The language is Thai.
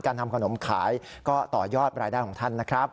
ทำขนมขายก็ต่อยอดรายได้ของท่านนะครับ